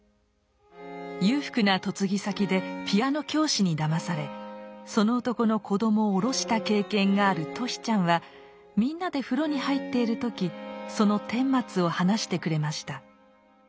裕福な嫁ぎ先でピアノ教師にだまされその男の子どもをおろした経験がある俊ちゃんはみんなで風呂に入っている時その顛末を話してくれました。